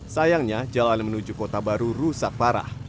sayangnya jalan menuju kota baru rusak parah